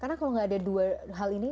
karena kalau gak ada dua hal ini